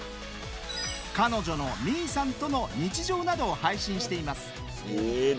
彼女のみいさんとの日常などを配信しています。